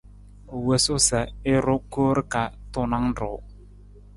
U wosu sa i ru koor ka tuunang ruu.